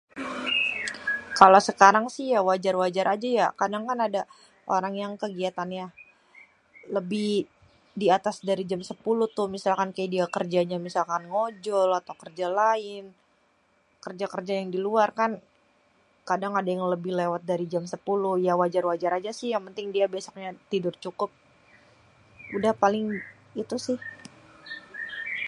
kalo sékarang sih ya wajar-wajar aja yak.. kadang kan ada orang yang kégiatannya lebih di atas dari jam sépuluh (malam) tuh.. misalkan kayak dia kérjanya misalkan ngojol atau kérja laén.. kérja-kérja yang di luar kan kadang ada yang léwat lébih dari jam sépuluh ya wajar-wajar aja sih yang pénting dia besoknya tidur cukup.. udah paling itu sih..